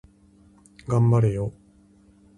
頑張れよ